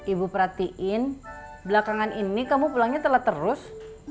ibu perhatiin belakangan ini kamu pulangnya telat terus